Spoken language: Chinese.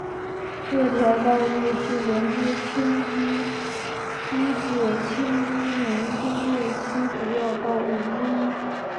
这条道路是连接青衣西至青衣南工业区主要道路之一。